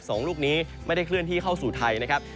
สองลูกนี้ไม่ได้เคลื่อนที่เข้าสู่ไทยนะครับ